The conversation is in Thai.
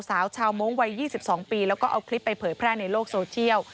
สาวชาวมงค์วัย๒๒ปีแล้วก็เอาคลิปไปเผยแพร่ในโลกโซเชียล